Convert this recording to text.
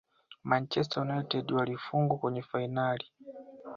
manchester united walifungwa kwenye fainali